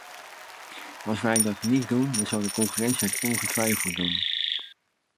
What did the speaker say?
Als wij dat niet doen zal de concurrentie het ongetwijfeld doen.